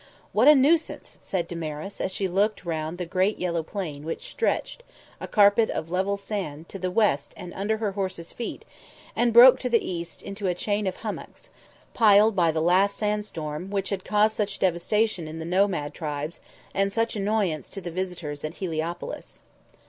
"What a nuisance," said Damaris, as she looked round the great yellow plain which stretched, a carpet of level sand, to the west and under her horse's feet and broke to the east into a chain of hummocks, piled by the last sandstorm which had caused such devastation in the nomad tribes and such annoyance to the visitors at Heliopolis.